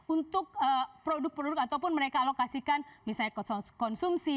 untuk produk produk ataupun mereka alokasikan misalnya konsumsi